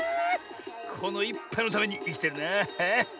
このいっぱいのためにいきてるな。